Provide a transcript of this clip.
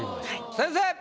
先生！